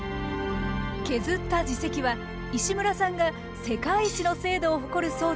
削った耳石は石村さんが世界一の精度を誇る装置で分析。